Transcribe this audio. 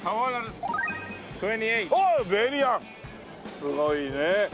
すごいね。